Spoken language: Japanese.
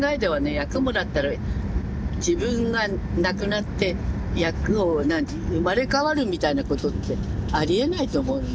役もらったら自分がなくなって役を生まれ変わるみたいなことってありえないと思うのね。